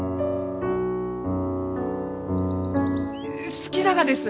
好きながです！